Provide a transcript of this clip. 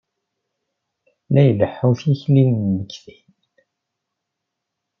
La ileḥḥu, tikli n lmegtin.